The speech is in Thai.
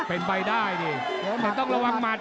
เป็นใบด้ายเนี่ย